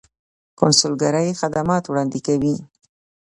کونسلګرۍ خدمات وړاندې کوي